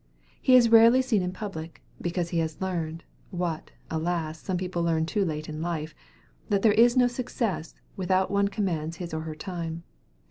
He is rarely seen in public, because he has learned what, alas! some people learn too late in life that there is no success without one commands his or her time.